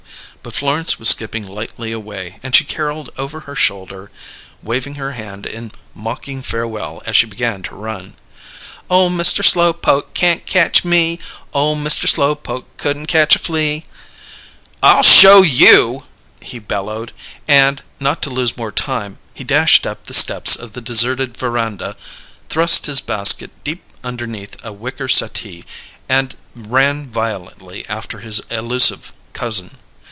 But Florence was skipping lightly away and she caroled over her shoulder, waving her hand in mocking farewell as she began to run: "Ole Mister Slowpoke can't catch me! Ole Mister Slowpoke couldn't catch a flea!" "I'll show you!" he bellowed, and, not to lose more time, he dashed up the steps of the deserted veranda, thrust his basket deep underneath a wicker settee, and ran violently after his elusive cousin.